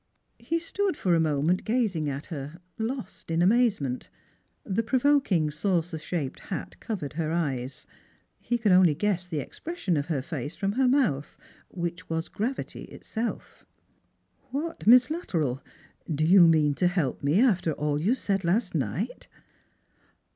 He stood for a moment gazing at her, lost in amazement. The provoking saucer shaped hat covered her eyes. He could only guess the expression of her face from her mouth, which was gravity itself. '•' What, Miss Luttrell, do you mean to help me, after all you said last night